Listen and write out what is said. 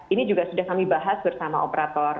ini juga sudah kami bahas bersama operator